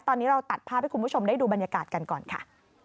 ตอนนี้เราตัดภาพให้คุณผู้ชมได้ดูบรรยากาศกันก่อนค่ะ